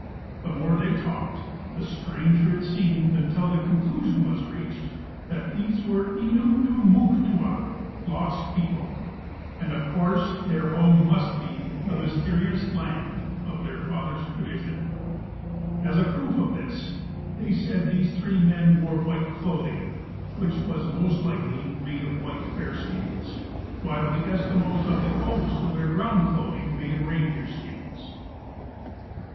The more they talked, the stranger it seemed, until the conclusion Avas reached that these were " inu tumuktua," (lost people,) and of course their home must be the mysterious land of their fathers' tradition. As a proof of this they said these three men wore white clotbing, which was most likely made of white bear skins, while the Eskimo of the coast wear brown clothing made of reindeer skins.